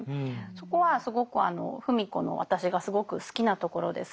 そこはすごく芙美子の私がすごく好きなところです。